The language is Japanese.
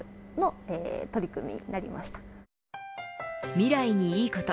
未来にいいこと。